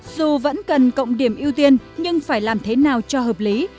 dù vẫn cần cộng điểm ưu tiên nhưng phải làm thế nào cho hợp lý